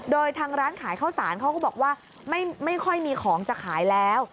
โดยทางร้านขายข้าวสารเขาก็บอกว่าไม่ค่อยมีของจะขายแล้ว